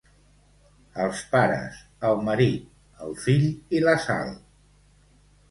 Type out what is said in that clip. Els pares, el marit, el fill i la Sal.